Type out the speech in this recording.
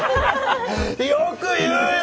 よく言うよ！